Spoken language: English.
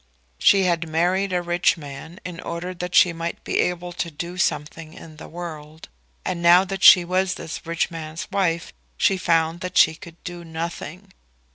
She had married a rich man in order that she might be able to do something in the world; and now that she was this rich man's wife she found that she could do nothing.